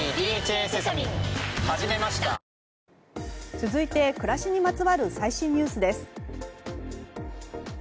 続いて、暮らしにまつわる最新ニュースです。